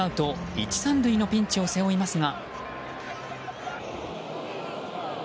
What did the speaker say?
１、３塁のピンチを背負いますが。